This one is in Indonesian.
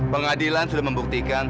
pengadilan sudah membuktikan